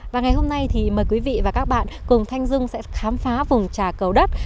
và ngày hôm nay thì mời quý vị và các bạn cùng thanh dung sẽ khám phá vùng trà cầu đất